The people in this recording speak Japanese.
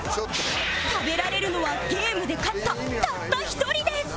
食べられるのはゲームで勝ったたった１人です